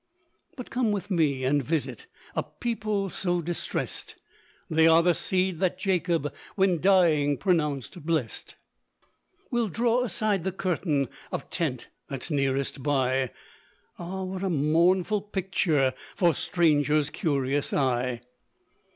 But come with me and visit A people so distressed; They are the seed that Jacob When dying pronounced blessed. We'll draw aside the curtain Of tent that's nearest by; Ah! what a mournful picture For stranger's curious eye.